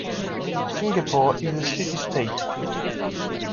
Singapore is a city-state.